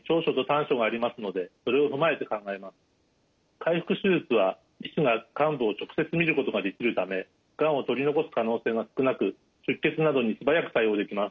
開腹手術は医師が患部を直接見ることができるためがんを取り残す可能性が少なく出血などに素早く対応できます。